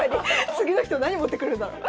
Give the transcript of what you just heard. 次の人何持ってくるんだろう。